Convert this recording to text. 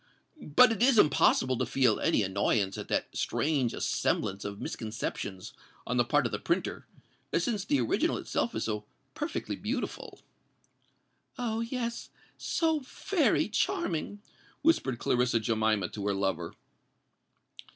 "But it is impossible to feel any annoyance at that strange assemblage of misconceptions on the part of the printer, since the original itself is so perfectly beautiful." "Oh! yes—so very charming!" whispered Clarissa Jemima to her lover.